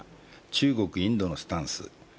中国、インドのスタンス。